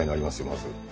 まず。